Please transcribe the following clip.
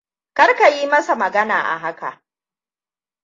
Kar ka yi masa magana a haka.